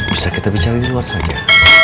bisa kita bicara di luar saja